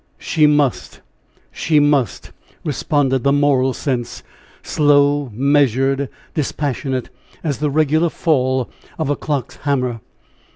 she must! she must, responded the moral sense, slow, measured, dispassionate, as the regular fall of a clock's hammer.